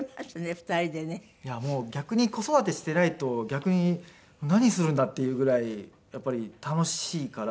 いやもう子育てしていないと逆に何するんだっていうぐらいやっぱり楽しいから。